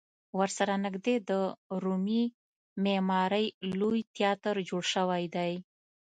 ورسره نږدې د رومي معمارۍ لوی تیاتر جوړ شوی دی.